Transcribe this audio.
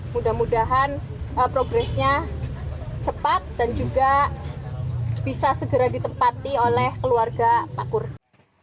mudah mudahan progresnya cepat dan juga bisa segera ditempati oleh keluarga pak kurni